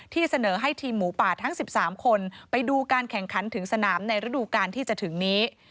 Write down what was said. เสนอให้ทีมหมูป่าทั้ง๑๓คนไปดูการแข่งขันถึงสนามในฤดูการที่จะถึงนี้